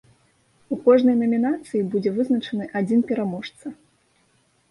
У кожнай намінацыі будзе вызначаны адзін пераможца.